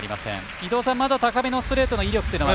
伊東さん、まだ高めのストレートの威力というのは？